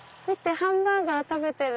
ハンバーガー食べてる。